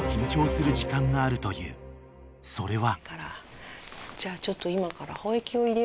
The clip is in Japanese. ［それは］